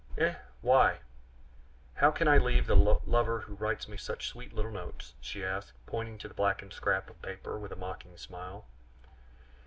"Eh! why, how can I leave the lover who writes me such sweet little notes?" she asked, pointing to the blackened scrap of paper with a mocking smile.